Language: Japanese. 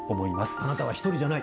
あなたは一人じゃない。